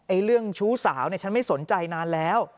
เรื่องชู้สาวเนี่ยฉันไม่สนใจนานแล้ว